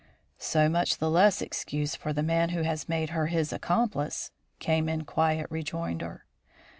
"So much the less excuse for the man who has made her his accomplice," came in quiet rejoinder.